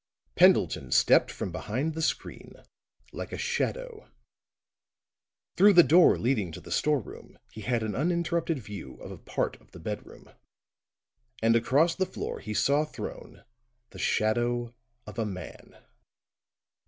Pendleton stepped from behind the screen like a shadow. Through the door leading to the storeroom he had an uninterrupted view of a part of the bedroom; and across the floor he saw thrown the shadow of a man.